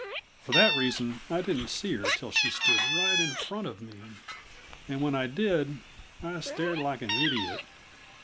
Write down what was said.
For that reason, I didn't see her till she stood right in front of me; and when I did, I stared like an idiot.